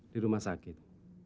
di rumah sakit